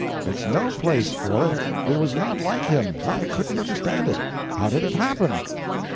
It's no place for it. It was not like him. I couldn't understand it. How did it happen?"